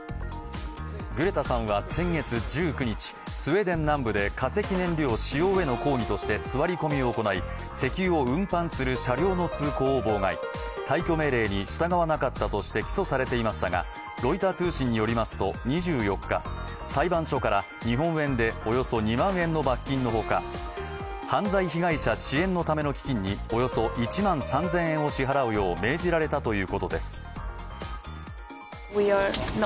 グレタさんは先月１９日、スウェーデン南部で化石燃料使用への抗議として座り込みを行い、石油を運搬する車両の通行を妨害、退去命令に従わなかったとして起訴されていましたがロイター通信によりますと、２４日、裁判所から日本円でおよそ２万円の罰金のほか犯罪被害者支援のための基金におよそ１万３０００円を支払うよう命じられたということです。